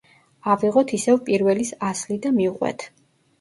ავიღოთ ისევ პირველის ასლი და მივყვეთ.